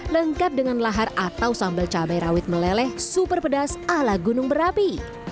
lengkap dengan lahar atau sambal cabai rawit meleleh super pedas ala gunung berapi